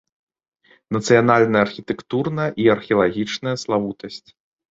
Нацыянальная архітэктурная і археалагічная славутасць.